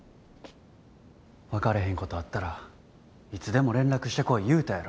分かれへんことあったらいつでも連絡してこい言うたやろ。